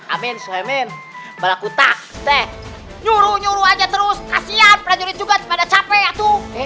amin suamin balak kutak nyuruh nyuruh aja terus kasihan prajurit juga pada capek